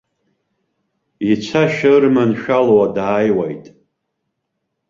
Ицашьа ырманшәало дааиуеит.